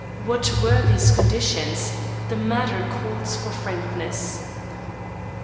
"What were these conditions? The matter calls for frankness."